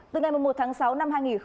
hãy đăng ký kênh để nhận thông tin nhất